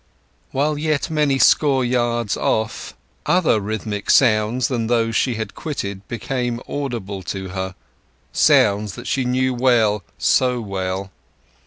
While yet many score yards off, other rhythmic sounds than those she had quitted became audible to her; sounds that she knew well—so well.